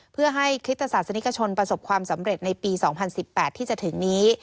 เพื่อให้คริสตศาสนิกชนประสบความสำเร็จในปี๒๐๑๘ที่จะถึงนี้